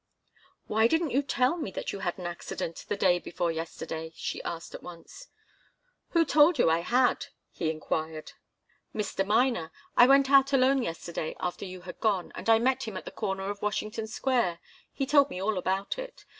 "Why didn't you tell me that you had an accident the day before yesterday?" she asked at once. "Who told you I had?" he enquired. "Mr. Miner. I went out alone yesterday, after you had gone, and I met him at the corner of Washington Square. He told me all about it.